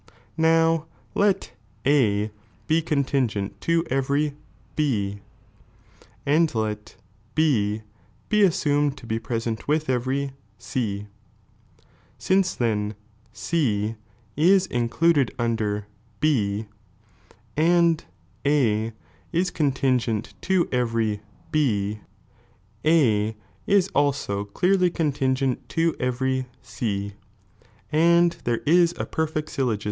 Now let A be contingent to every B, and let B he assumed to be present with every C, since then C is (included) under B, and A is contingent to every B, A is ahw clearly eon Pf tfe« nyiiii tingent to every C, and there is a perfect syllo ni'no'r u''pu«!'